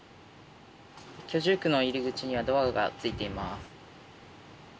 居住区の入り口にはドアが付いています。